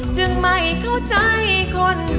จึงไม่เข้าใจคน